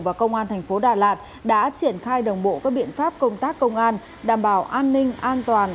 và công an thành phố đà lạt đã triển khai đồng bộ các biện pháp công tác công an đảm bảo an ninh an toàn